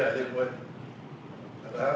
ya saya pikirkan teman teman kami adil